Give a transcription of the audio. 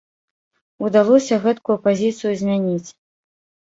Удалося гэткую пазіцыю змяніць.